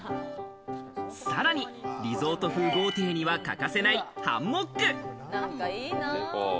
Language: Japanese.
さらにリゾート風豪邸には欠かせないハンモック。